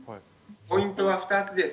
ポイントは２つです。